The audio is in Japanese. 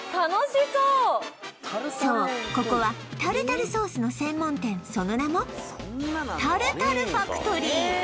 そうここはタルタルソースの専門店その名もタルタルファクトリー